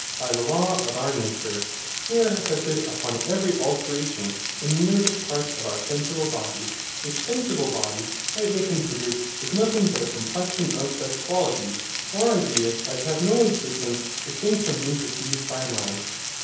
By the law of our nature, we are affected upon every alteration in the nervous parts of our sensible body; which sensible body, rightly considered, is nothing but a complexion of such qualities or ideas as have no existence distinct from being perceived by a mind.